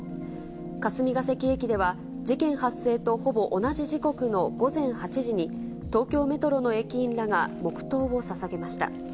霞ケ関駅では、事件発生とほぼ同じ時刻の午前８時に、東京メトロの駅員らが黙とうをささげました。